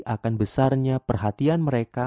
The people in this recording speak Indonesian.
akan besarnya perhatian mereka